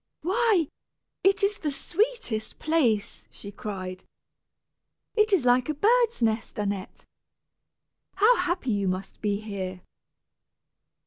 "Why, it is the sweetest place," she cried. "It is like a bird's nest, Annette. How happy you must be here."